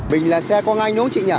bình là xe quang anh đúng không chị